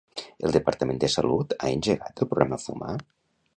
El Departament de Salut ha engegat el programa Fumar?